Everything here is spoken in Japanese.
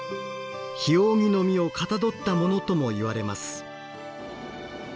「ひおうぎ」の実をかたどったものともいわれます。